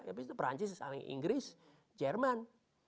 habis itu perancis inggris jerman